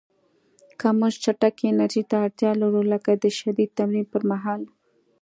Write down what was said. که موږ چټکې انرژۍ ته اړتیا لرو، لکه د شدید تمرین پر مهال